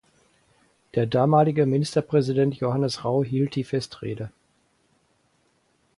Der damalige Ministerpräsident Johannes Rau hielt die Festrede.